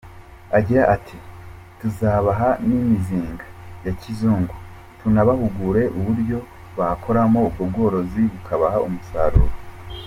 Agira ati “Tuzabaha n’imizinga ya kizungu tunabahugure uburyo bakoramo ubwo bworozi bukabaha umusaruro.